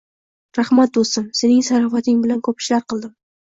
- Rahmat, do'stim, sening sharofating bilan ko'p ishlar qildim!